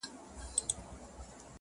ورځ په خلوت کي تېروي چي تیاره وغوړېږي؛